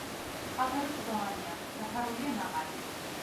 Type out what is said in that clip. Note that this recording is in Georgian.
კალთები კლდოვანია, დაფარულია ნაყარით.